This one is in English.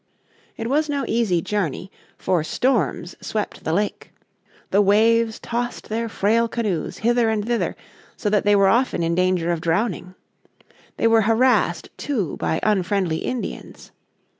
It was no easy journey, for storms swept the lake. The waves tossed their frail canoes hither and thither so that they were often in danger of drowning. They were harassed, too, by unfriendly Indians.